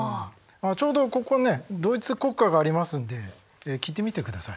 ちょうどここねドイツ国歌がありますんで聴いてみてください。